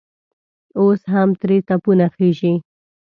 اوس هم ترې تپونه خېژي.